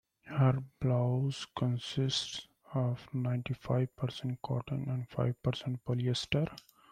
Her blouse consists of ninety-five percent cotton and five percent polyester.